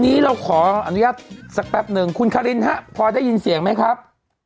วันนี้เราขออนุญาตสักแป๊บหนึ่งคุณคารินฮะพอได้ยินเสียงไหมครับ